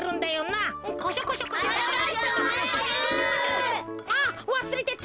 あっわすれてた。